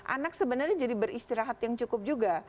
anak sebenarnya jadi beristirahat yang cukup juga